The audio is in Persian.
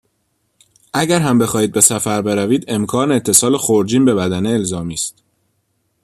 اگر هم بخواهید به سفر بروید، امکان اتصال خورجین به بدنه الزامی است.